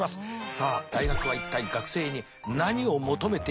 さあ大学は一体学生に何を求めているのか。